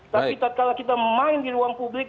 tapi kalau kita main di ruang publik